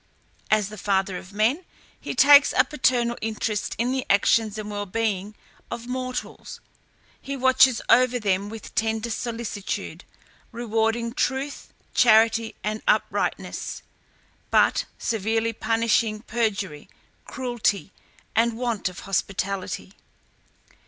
As the father of men, he takes a paternal interest in the actions and well being of mortals. He watches over them with tender solicitude, rewarding truth, charity, and uprightness, but severely punishing perjury, cruelty, and want of hospitality.